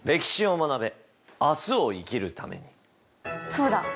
そうだ！